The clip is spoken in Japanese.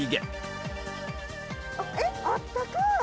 えっあったかい！